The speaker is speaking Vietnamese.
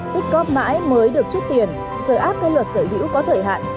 tích góp mãi mới được chút tiền sở áp cây luật sở hữu có thời hạn